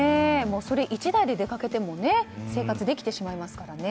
それ１台で出かけても生活できますからね。